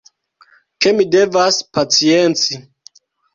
Ke mi devas pacienci.